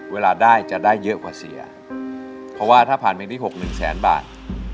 เวลาได้จะได้เยอะกว่าเสียเพราะว่าถ้าผ่านเพลงที่๖๑แสนบาท